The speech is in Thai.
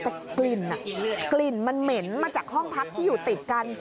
แต่กลิ่นกลิ่นมันเหม็นมาจากห้องพักที่อยู่ติดกัน